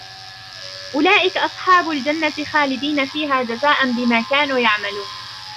أُولَئِكَ أَصْحَابُ الْجَنَّةِ خَالِدِينَ فِيهَا جَزَاءً بِمَا كَانُوا يَعْمَلُونَ